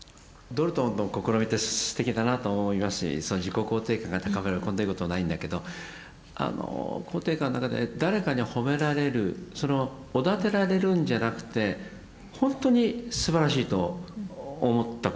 ドルトンの試みってすてきだなと思いますし自己肯定感が高まるこんないいことないんだけど肯定感の中で誰かに褒められるそのおだてられるんじゃなくてほんとにすばらしいと思ったことを声かけてもらう。